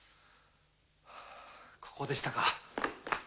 ここでしたか。